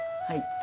はい。